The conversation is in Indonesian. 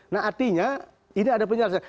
nah artinya ini ada penyelesaian